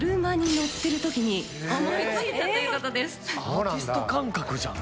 アーティスト感覚じゃん。